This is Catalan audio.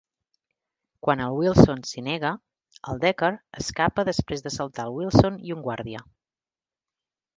Quan el Wilson s'hi nega, el Decker escapa després d'assaltar el Wilson i un guàrdia.